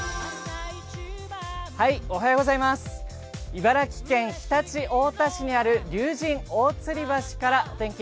茨城県常陸太田市にある竜神大吊橋からお天気